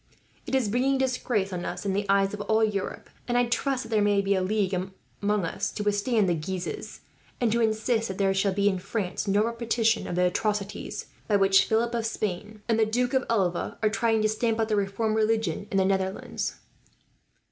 It is bringing disgrace on us in the eyes of all Europe, and I trust that there may be a league made among us to withstand the Guises; and to insist that there shall be, in France, no repetition of the atrocities by which Philip of Spain, and the Duke of Alva, are trying to stamp out the reformed religion in the Netherlands."